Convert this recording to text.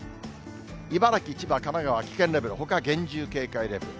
茨城、千葉、神奈川、危険レベル、ほかは厳重警戒レベル。